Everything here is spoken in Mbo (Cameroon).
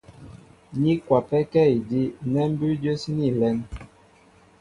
Ní kwapɛ́kɛ́ idí' nɛ́ mbʉ́ʉ́ jə́síní a lɛ́n.